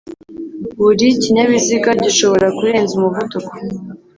Buri kinyabiziga gishobora kurenza umuvuduko